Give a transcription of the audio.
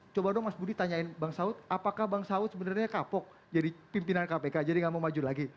coba dong mas budi tanyain bang saud apakah bang saud sebenarnya kapok jadi pimpinan kpk jadi gak mau maju lagi